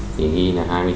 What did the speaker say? thì ghi là hai mươi chín